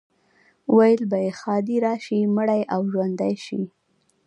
ویل به یې ښادي راشي، مړی او ژوندی شي.